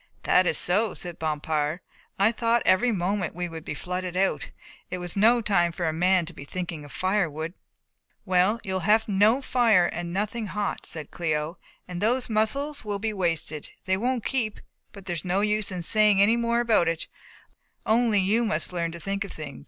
"That is so," said Bompard, "I thought every moment we would be flooded out. It was no time for a man to be thinking of firewood." "Well, you will have no fire and nothing hot," said Cléo, "and those mussels will be wasted they won't keep, but there's no use in saying any more about it only you must learn to think of things.